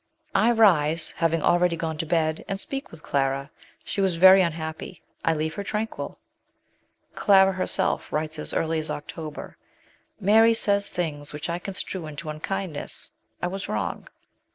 I rise (having already gone to bed) and speak with Clara. She was very un happy; I leave her tranquil." Clara herself writes as early as October " Mary says things which I con strue into unkindness. I was wrong.